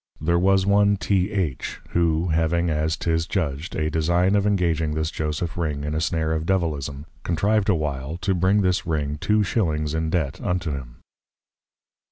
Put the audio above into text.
There was one T. H. who having, as 'tis judged, a design of engaging this Joseph Ring in a snare of Devillism, contrived a while, to bring this Ring two Shillings in Debt unto him.